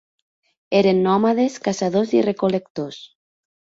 Eren nòmades, caçadors i recol·lectors.